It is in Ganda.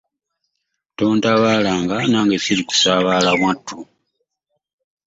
Tontabaalanga nange ssirikutabaala wattu.